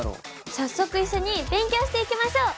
早速一緒に勉強していきましょう！